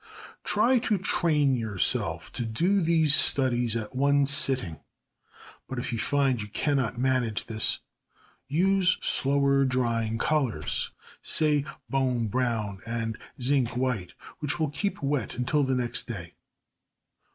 Try to train yourself to do these studies at one sitting. But if you find you cannot manage this, use slower drying colours, say bone brown and zinc white, which will keep wet until the next day.